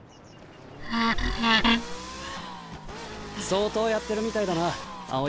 相当やってるみたいだな青井。